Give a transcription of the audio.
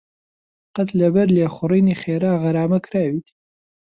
قەت لەبەر لێخوڕینی خێرا غەرامە کراویت؟